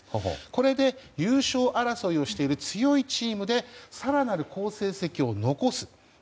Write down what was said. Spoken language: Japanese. これで、優勝争いをしている強いチームで更なる好成績を残す。